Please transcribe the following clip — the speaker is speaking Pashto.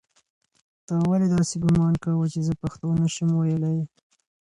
تا ولې داسې ګومان کاوه چې زه پښتو نه شم ویلی؟